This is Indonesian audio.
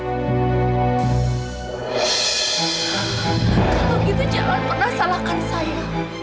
kalau begitu jangan pernah salahkan saya